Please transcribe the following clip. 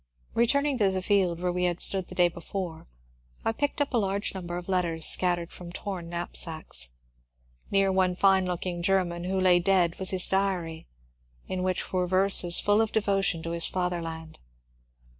Returning to the field where we had stood the day before, I picked up a large number of letters scattered from torn knapsacks. Near one fine looking German who lay dead was his diary, in which were verses full of devotion to his Father land.